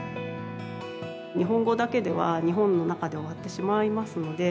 日本語だけでは、日本の中で終わってしまいますので。